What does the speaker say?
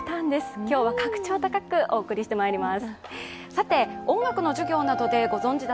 今日は格調高くお送りしてまいります。